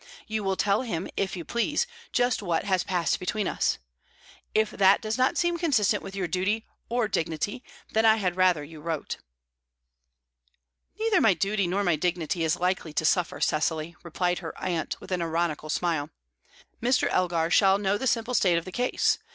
You will tell him, if you please, just what has passed between us. If that does not seem consistent with your duty, or dignity, then I had rather you wrote." "Neither my duty nor my dignity is likely to suffer, Cecily," replied her aunt, with an ironical smile. "Mr. Elgar shall know the simple state of the case.